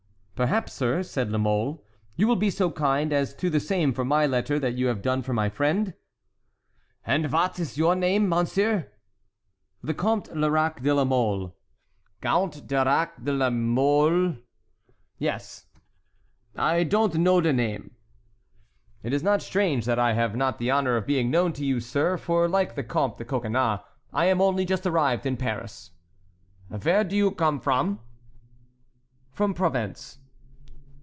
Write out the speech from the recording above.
"Perhaps, sir," said La Mole, "you will be so kind as to the same for my letter that you have done for my friend?" "And vat iss your name, monsir?" "The Comte Lerac de la Mole." "Gount Lerag dee la Mole?" "Yes." "I don't know de name." "It is not strange that I have not the honor of being known to you, sir, for like the Comte de Coconnas I am only just arrived in Paris." "Where do you gome from?" "From Provence."